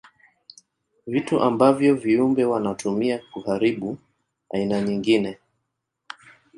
Vitu ambavyo viumbe wanatumia kuharibu aina nyingine.